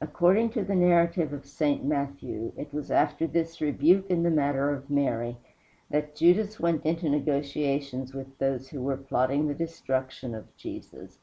According to the narrative of St. Matthew, it was after this rebuke in the matter of Mary that Judas went into negotiations with those who were plotting the destruction of Jesus.